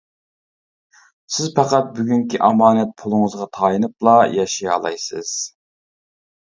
سىز پەقەت بۈگۈنكى ئامانەت پۇلىڭىزغا تايىنىپلا ياشىيالايسىز.